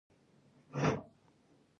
د پکتیا په ځاځي کې څه شی شته؟